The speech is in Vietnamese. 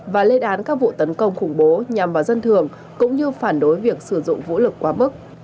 và lên án các vụ tấn công khủng bố nhằm vào dân thường cũng như phản đối việc sử dụng vũ lực quá mức